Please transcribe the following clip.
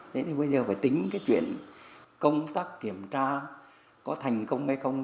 thế thì bây giờ phải tính cái chuyện công tác kiểm tra có thành công hay không